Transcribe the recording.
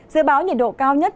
dự báo nhiệt độ cao nhất